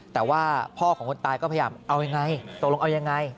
แต่ว่าพ่อของคนตายก็พยายามเอายังไงตกลงเอายังไง